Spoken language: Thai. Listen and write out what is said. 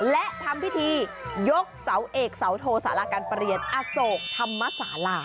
และทำพิธียกเสาเอกเสาโทษศาลาการประเรียนอสโสธระธรรมสาหร่า